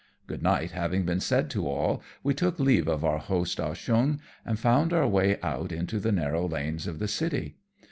Good night having been said to all, we took leave of our host Ah Cheong and found our way out into the narrow lanes of the city.